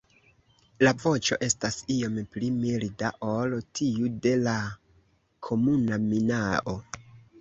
La voĉo estas iom pli milda ol tiu de la Komuna minao.